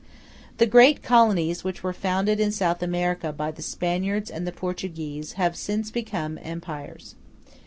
] The great colonies which were founded in South America by the Spaniards and the Portuguese have since become empires.